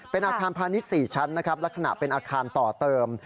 เป็นอาคารพาณิชย์๔ชั้นนะครับลักษณะเป็นอาคารต่อเติม